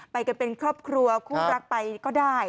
ไปกันเป็นครอบครัวคู่รักไปก็ได้